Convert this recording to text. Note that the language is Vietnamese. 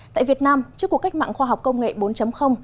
tại việt nam trước cuộc cách mạng khoa học công nghệ bốn